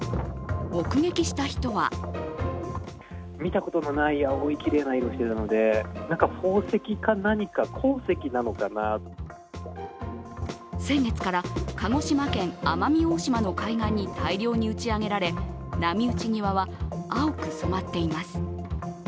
目撃した人は先月から鹿児島県奄美大島の海岸に大量の打ち上げられ波打ち際は青く染まっています。